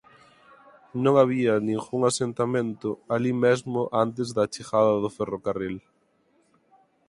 Non había ningún asentamento alí mesmo antes da chegada do ferrocarril.